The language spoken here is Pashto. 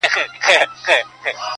ډکي هدیرې به سي تشي بنګلې به سي،